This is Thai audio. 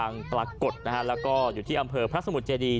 ปรากฏนะฮะแล้วก็อยู่ที่อำเภอพระสมุทรเจดี